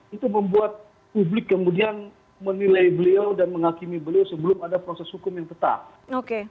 itu membuat publik kemudian menilai beliau dan menghakimi beliau sebelum ada proses hukum yang tetap